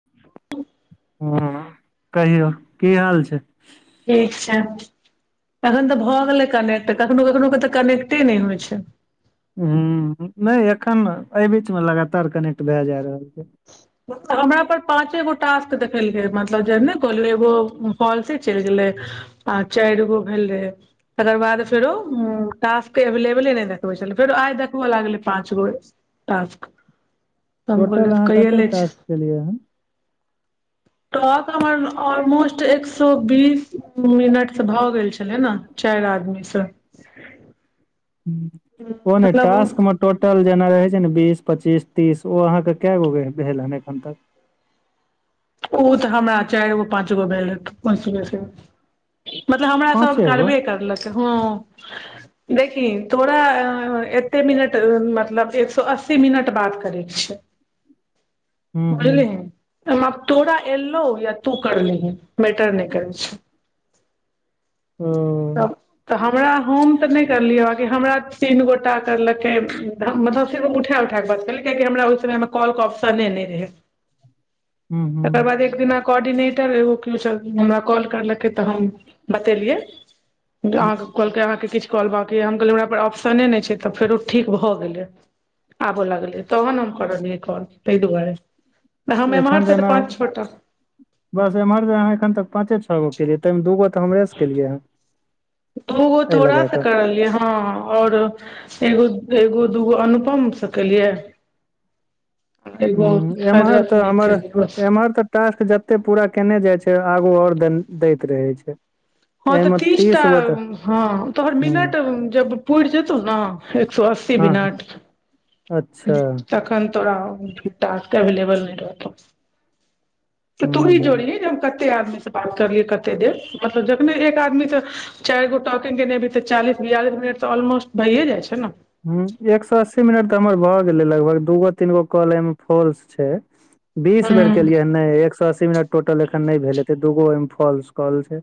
[inaudible] हँ कहियौ की हाल छै ठीक छै अखैन तऽ भए गेलै कनेक्ट कखनो कखनो कऽ तऽ कनेक्टे नय होइ छै हुँ नय एखन एहि बीच मऽ लगातार कनेक्ट भए जा रहल य [inaudible] हमरा पर पाँचे गो टास्क देखेलकै मतलब जे नै कहलै एगो फॉल्से चैल गेलै आ चाइर गो भेल रहे तकर बाद फेरो टाक्स एवेलेबले नहि देखबै छलै फेरो आइ देखबऽ लागलै पाच गो टाक्स टोटल अहाँ कते टास्क केलियै हँ टॉक हमर ऑलमोस्ट एक सौ बीस मिनटस भऽ गेल छलै नऽ चाइर आदमी सँ ओ नय मतलब टासक म टोटल जेना रहै छै ने बीस पच्चीस तीस ओ अहाँके कए गो भेल हन एखन तक उत हमरा चारगो पाँच गो भेल हेतैय अयसे बेसिनैय मतलब हमराास पाँचे गो करबे करलक हँ देखि थोड़ा अ एत्ते मिनट मतलब एक सए अस्सी एते मिनट बात करैके छै हूँ बुझलि हूँ तोरा एलौ या तू करलिहे मैटर नहि करै छै हँ त त हमरा हम तनहि करलियै हमरा तीन गोटा करलकै मतलब फिर उठा उठा क बात केली कियाकि हमरा ओहि समयमे कॉल के ऑप्शने नहि रहै हूँ हूँ तकर बाद एक दिना कोर्डिनेटर एगो केओ हमरा कॉल करलकै त हम बतेलियै हूँ अहाँकेँ कहलकै अहाँके किछु कॉल बबाक य हम कहलियै हमरा पास ऑप्शने नहि छै त फेरो ठीक भ गेलै आब लगलै तहन हम करलियै कॉल ताहि दुआरे हम एखन एम्हर से जेना पाँच छोटा बस एम्हर जे अहाँखन तक पाँचे छओ गो केलियै तैहिमे दूगो त हमरे केलियै हे दूगो तोराासँ करलियै हँ और एगो एगो दूगो अनुपम से केलियए हु शायद एमहर त रश्मि के हमर केलियै बस एमहर त टास्क जते पूरा केने जाइ छै आगू आऔर दे दैत रहे छै हँ त एहिमे तीसटा तीस गो तऽ हँ तोहर हूं मिनट जब पुर जेतौ ने एक सो अस्सी हँ मिनट अच्छा तखन तोरा भुटा केबल नहि रहत हूं तूही हूं जोड़िय जे हम कते आदमी से बात करलियै कते देर मतलब जखने एक आदमी से चारि गोटा से चालीस बियालस मिनट ऑलमोस्ट भइए जाइ छै ने हु एक सए अस्सी मिनट त हमर भगेलै लगभग दूगो तीन गो कल एहिमे फॉल्स छै बीस बेर केलियै ह नहि एक सए अस्सी मिनट टोटल एखन नहि भेल एते दूगो ओहिमे फॉल्स कॉल छै।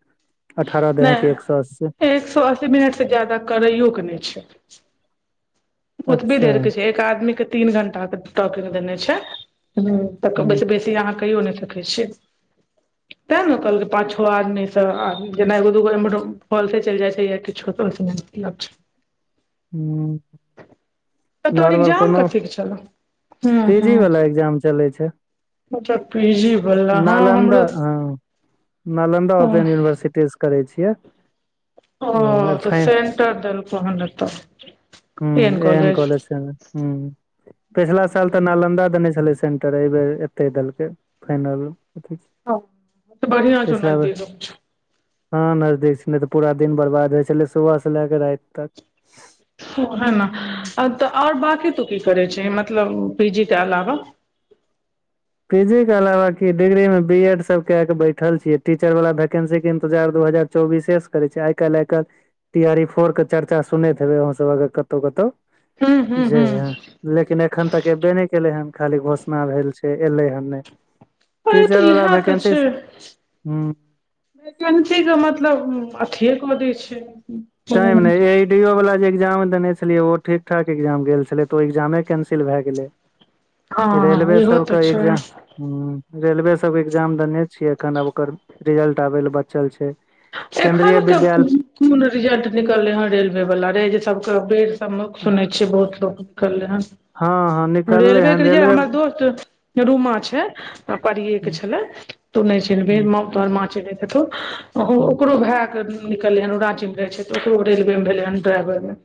अठारह नहि दहके एक सो अस्सी। एक सो अस्सी मिनट से जादा करैयोक के नहि छै। ओतबी अच्छा देर के छै एक आदमी के तीन घंटा के टॉकिंग देने छै हु अई के हूं बेसि बेसि आहा कयो नै सकय छीयै तेँ ने कहलकै पाँच छो आदमीसँ जेना एगो दूगो एम्र फॉल्से चलि जाइ छै या किछो तो आए स नै मतलब ल्ष हू तऽ तोहर नॉर्मल एग्जाम कोनो कथी के छलौ हूँ पिजी वाला एग्जाम चलै छै। अत पीजी बला हँ नालन्दा हमरो हँ नालन्दा ओ ओपेन यूनिवर्सिटीसँ करै छियै ओ ए त सेंटर देल क त हु एहन कॉलेज से हु पिछला साल त नालन्दा देने छले। सेंटर एहिबर एते देलकै फाइनल त बढ़िया छौ पिछला बेर नजदीक हँ नजदीक छल नहि त पूरा दिन बर्बाद होइ छलै सुबह से लए क रैयत तक हँ उहेन आओर बकी तू की करै छ मतलब पीजी के अलावा? पीजी के अलावा क डिग्री मे बी एड सब क के बैठल छीयै टीचर वाला वैकेंन्सी के इंतजार दू हजार चौबीसेस करे छै आइ काइल आइ काइल टी आरी फोर के चर्चा सुनैत हेबे अह सब अगर कतौ कतौ हूँ हूँ जे हूँ लेकिन एखन तक एबे नहि केले हेन खाली घोषणा भेल छै एलै हन नहि अरे तऽ टीचर व इएह तऽ भैकेन्सी छै हु वैकेंसी के मतलब अथिए क दै छै। टाइम नहि ए। डी ओ वाल जेग्जाम देने छलियै ओ ठीक ठाक एग्जाम गेल छलै तऽ ओ एग्जामे कैंसिल भए गेलै हँ लहो तऽ छै। ह रेलवे सबके एग्जाम देने छियै एखन ओकर रिजल्ट आबै लए बचल छै। एखन केन्द्रीय के विद्यालय कोन रिजल्ट निकललै हँ रेलवे वाला रहे जे सबके बे हन हां हां निकललै रेलवे कर हन रहि हमर हुं दोस्त रूमा छै परियए के छले तू नहि छ। हुं औतोहर मा हेतौ हुं ओकरो भए क निकलै हन ओ राज्य मे रहै छै तऽ ओकरो रेलवे मे भेलै ह ड्राइवर मे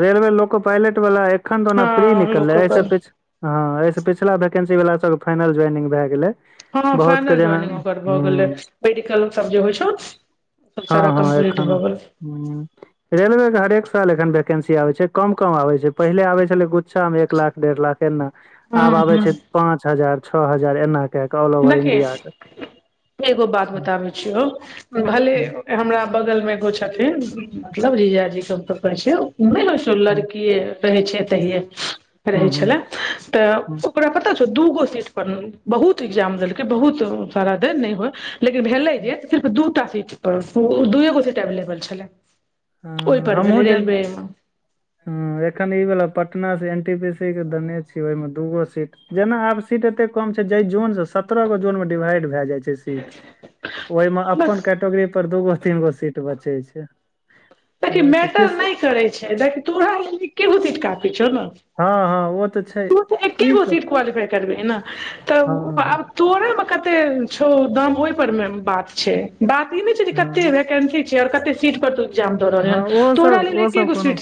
रेलवे लोको पायलट वला एखन तऽ ओना हँ फ्री निकललै एहिसँ लोकल पछ। हँ एहिस पिछला वैकेंसी वला सबके फाइनल ज्वाइनिंग भए गेलै। हँ बहुत के फाइनल जेना ज्वइनिंग ओकर भऽ गेलै हुं मेडिकल सब जे होइ छौ। सब हँ सारा हँ कम्प्लीट एखन भऽ गेल। रेलवे के हरेक साल वैकेंसी आब छै कम कम आबे छै पहिलेबै छलै गुच्ा मे एक लाख डेढ़ लाख। केना हूँ आब आबे हूँ छै पाँच हजार छओ हजार एना क के ऑल ओवर देखी इंडिया के एगो बात हूँ बताबै छ। ऋ भले हूँ हमरा बगल मे एगो छथिन मतलब जीजाजी के कहै छै। हूँ लड़कीए रहै छै तहिे रहै हूँ छले। हूँ दूगो सीट पर बहुत एग्जाम देलकै बहुत सारा दे नहि होइ लेकिन भेलै हूँ जे सिर्फ दू पर दूए गोसे एवलेबल छलै ओहि पर भेलै रेलवे मे। ह एखन ई भेला पटना से एनटी पी सी के देने छी ओहिमे दूगो सीट जेना आब सीट एते कम छै ज जून से सत्ररह गो जोन मे भय जाय छै। सीट ओहिमे अपन बस कैटेगरी पर दूगो तीन गो सीट बचे छै। देखि वएह छै मैटर किस नहि करैत छै देखी तोहरा लेल केहु िटका पीछौ ने हँ हँ ओ तऽ छै त त एके गो ठीक सीट क्वालीफा करबै ने हँ तऽ तोराे मे कते छौ दाम ओहि पर मे बात छै बात ई नहि छै जे कते हँ वैकेंसी हँ ओ सब ओ सब कोनो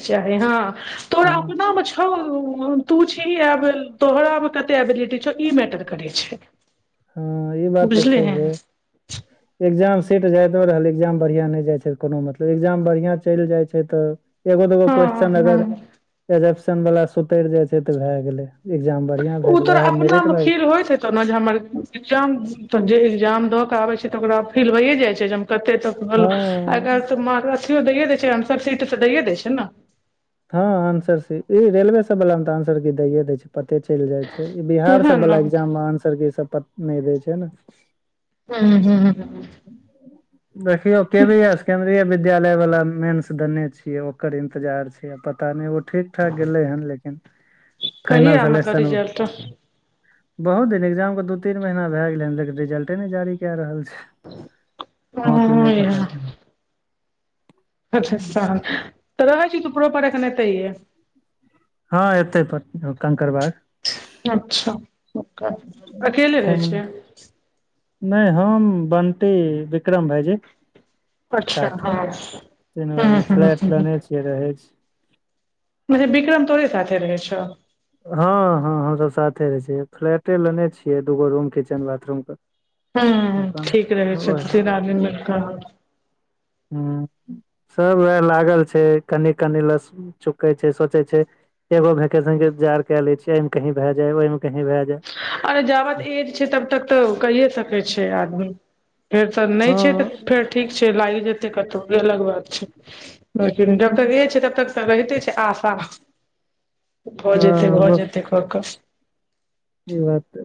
हँ [unintelligible] [unintelligible] ह तू कब तोहराा मे कते एबिलिटी छौ ई मैटर करे छै हँ ई बात तऽ बुझलिही छैहे एग्जाम सेट जायइत रहल एग्जाम बढ़िआँ नहि जाइ छै कोनो मतलब एग्जाम बढ़िआँ चलि जाइ छै तऽ एगो दगो हँ क्वेस््चन अगर हँ एजप्शन वाला सुतरि जाइ छै तऽ भए गेले एग्जाम बन या। ऋभए गेलो वएह मेरिट मे तहना जे हमर एग्जाम त जे एग्जाम दऽ कऽ आबै छै तऽ ओकरा फील होइए जाइ हँ छै [unintelligible] हँ आन्सर स ई रेलवे सब वला मे तऽ आंसर की दैे दै छै पते चलि जाइ छै ई बिहार उएह सब ने वला हूं एग्जाप नहि दै छै ने ह हू देखियौ केबी एस केन्द्रीय विद्यालय वाला मेंस देने छियै ओकर इंतजार छै पता नहि ओ ठीक ठाक गेलै हन लेकिन फाइनल कहिया मतलब सेलेक्शन रिजल्ट बहुत दिन एग्जाम के दू तीन महीना भए गेले हन लेकिन रिजल्टे ने जी रहल छै हँ के नै पता अच्छा नहि। सन तऽ रहै छी तू परोपर एखन एतैेए हँ एतै प कंकड़बाग अच्छा ओकर अकेले रहै छियै नै हम बंटी विक्रम भाइजी अच्छा साठ हँ तीनो हूं आदमी हूं फ्लैट लेने छियै रहै छै मने बिक्रम तोरे साथे रहै छौ हँ हँ हमसब साथे रहै छिय फ्लैटे लेने छियै दूगो रूम किचेन बाथरूम के हुॅं हुॅं हुॅं अपन ठीक रहै छै तीन आदमी मे [unintelligible] हुॅं उएह लागल छै कनि कनि लस चुकै छै सोचै छै एगो भैकेेशन के इन्जार के लै छीयै एहिमे कहीं भय जाय ओहि मे कहीं भए जेए अरे जाबत एज छै तब तक तऽ कैए सकै छै आदमी फेर तऽ नै छै तऽ हँ फेर ठीक छै लाइग जेतै कतौ अलग बात छै लेकिन जब तक इ छै तब तक तऽ रहिते छै आशा भऽ जेते हँ भऽ बस जेते फकस ई बात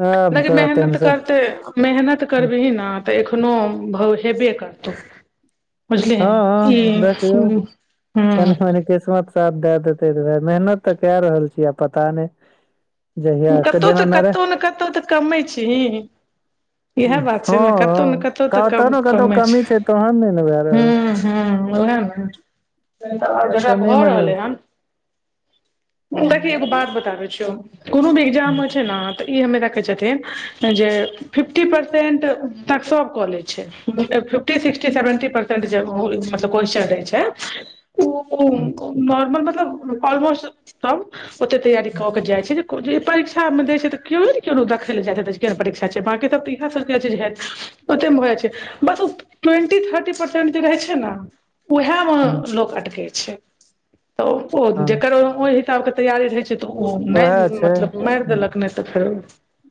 ह लेकिन बरा मेहनत टेन्शन करतै मेहनत करबीही ने तऽ एखनो भ हेबे करतौ हँ बुझलिही ई हँ देखयो कनि हूँ मनि किसमत साथ दए देतै तऽएह मेहनत तऽ केए रहल छीयै आब पता नै कतहु तऽ कतहु ने कतहु तऽ कमै छीही इएह हँ बात छै ने कतौ ने कतौ कतहु तऽ ने कतहु कमे छै कमी तहन नहि ने भए रहल हुॅं हुॅं उहे ने जकरा कनि भऽ मनि हूं रहलै हन देखी एगो बात बताबै छियो कोनो भी एग्जाम हूं हो छै न तऽ ई हमे रा छथिन जे फिफ्टी परसेंट त तक सब कऽ लै छै फी फिटी सिक्टी सेवेन्टी परसेन्ट जे मतलब क्वेस्चन रहै छै हूं ओ नॉर्मल मतलब ऑलमोस्ट सब ओते तैयारी कऽ के जाइ छै जे जे परीक्षामे दै छै तऽ केओ नै न केओदेखय लए जाइत हे तै केहन परीक्षा छै बाँकी त तऽ इएह सभकेज हैत ओतेकमे भऽ जाइ छै बस ओ टवेंटी थर्टी परसेंट जे रहै छै न उएह मे हूं लोक अटकै छै तऽ ओ हँ जकर ओ किताब के तैयारी रहै छै तऽ ओ नहि ओएह छै मतलब माइर देलक नै तऽ फेर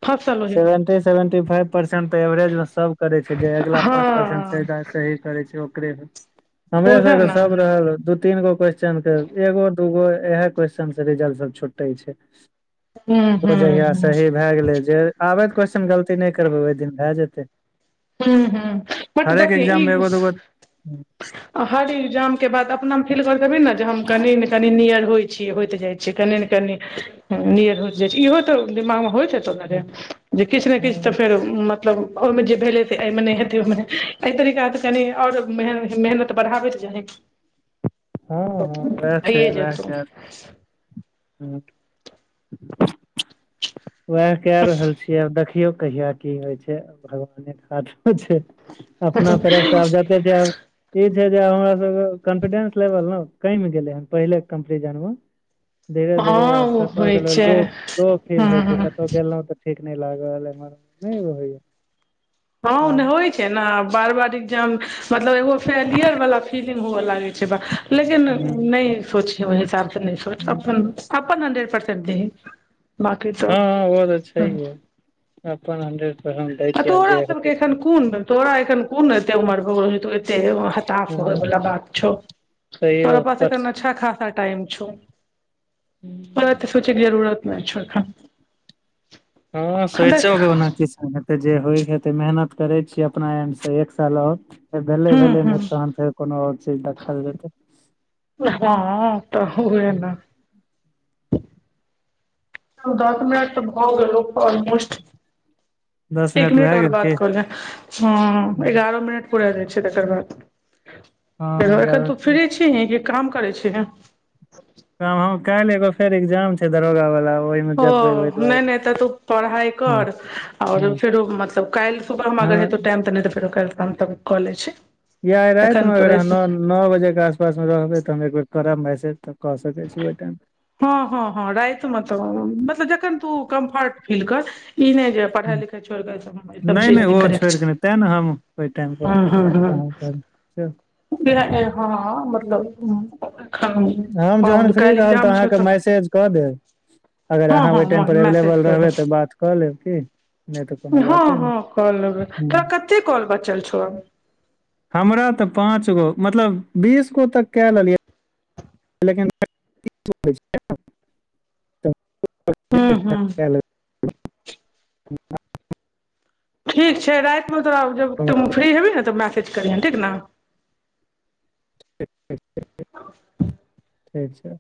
फसल ओहि सेवेंटी सेवेंटी फाइव परसेंट तऽ एवरेज मे सब करै छै जे‌ अईगला पाँच परसेंट स हँ [unintelligible] सही करे छै ओकरे हमर ओहे सबके ने सब रहल दु तीन गो क्वेेश्चन के एगो दूगो इएहे क्वेस्न से रिजल्ट सब छुटे छै हूँ ओ हूँ जहिया हूँ सही भए गेलै जे आबै तऽ क्वेस्चन गलती नै करबै ओहि दिन भए जेतै हुॅं हुॅं मट हरेक देखी एग्जाम ई मे एगो दूगो हर एग्जाम के बाद अपना मे फील करैत सेबी ने जे हम कनि ने कनि नियर होइ छिय होइत जै क ने कनि नियर हो जाइ छै इहो तऽ दिाग मे होइत हे [unintelligible] किछ ने किछ तऽ हँ फेर मतलब ओहमे जे भेलै एहिमे नै हेतै ओहिमे एहि तरीकासँ कनि आओर मे मेहनत बढ़ाबैत जाही हँ भइ जेतै उएह के रहल छी आब देखियौ कहिया की होइ छै भगवाने के हाथ मे छै अपना तरफ से आब ज [inaudible] ई छै जे हमरा सब केँ कॉन्फिडेंस लेवल न कम गेले हन पहिले कंपिरियन जन मऽ [unintelligible] धीरे धीरे हँ आब ओ कत होइ गेल छै लो लो [unintelligible] हँ तऽ ठीक नहि लागल हैर नहिय हँ होइ छै ने बार बार एग्जाम मतलब एगो फेलियर वला फीलिंग हुए लागै छै लेकिन ह नहि सोची ओइ हिसाब सँ नै सोच अपन अपन हड्रेड पर्सेंट देही हँ हँ ओ तऽ छैहे [inaudible] अपन हंड्रेड परसेंट दै आ छियै आब तोरा जे सब हेतै केँ एखन कोन तोरा एखन कोन ऐतै उमर भऽ गेलौं [unintelligible] हतास हो हँ बला बात छैऽ [inaudible] तोरा तैयो पास पर अखैन अच्छा खासा टाइम छैऽ [inaudible] पर ऐतै सोचै केँ जरूरत नहि छै अखन [unintelligible] हेतै जे होइ केँ हेतै मेहनत करै छीयै अपना [unintelligible] एक साल और भेलै हूँ भेलै हूँ नै तहन फेर कोनो और चीज दखल जेतै [unintelligible] आब दस मिनट तऽ भ गेलों ऑलमोस्ट दस [inaudible] एक मिनट भए और गेल की बात कऽ ले [inaudible] ह एगारह मिनट पूरैलए छै तकर बाद [inaudible] फेरो हँ एखन एगारह तू मिनट। फ्री छी कि काम करै छी ही [unintelligible] काइल एगो फेर एग्जाम छै दरोगा वला ओहिमे जबै नै नै तऽ तू पढ़ाइ कर और हूँ फेरो मतलब काइल सुबह हेतै हँ टाइम तऽ नहि त फेर ओ हम त कऽ ले छी या आइ राइत [unintelligible] एखन तो राति नओ बजे केँ आसपासमे रहबै तऽ हम एक बेर करब मैसेज तऽ कऽ सकैत छी ओहि टाइम हँ हँ हँ राति मे तऽ मतलब जखन तू कम्फर्ट फील कर ई नहि जे पढ़ाइ लिखाइ छोड़ि कऽ ई [inaudible] सब नहि चीज नहि ओ करैके छोड़ कऽ नहि छै तैँ ने हम ओहि टाइम हँ हँ हँ पर [inaudible] [unintelligible] [unintelligible] हँ मतलब हम एखन जहन फ्री काल्हि रहब तऽ एग्जाम अहाँ छौ केँ मैसेज कऽ देब अगर हँ अहाँ ओहि टाइम हँ पर मैसेज अवेलेबल कऽ रहबै तऽ देब बात कऽ लेब की नहि तऽ कोनो हँ बाते हँ कऽ लेबै तोरा नहि कते कॉल बचल छौ हमरा ते पांच गो मतलब बीस गो तक केँ लेलियए लेकिन [unintelligible] हू हू ठीक छै रातिमे तोरा जब तो फ्री हेबही ने तऽ मैसेज करिहऽ ठीक ने [inaudible] [unintelligible] ठीक छै